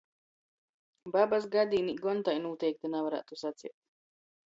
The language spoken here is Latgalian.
Babys gadīnī gon tai nūteikti navarātu saceit.